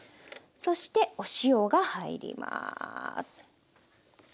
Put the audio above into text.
そしてお塩が入ります。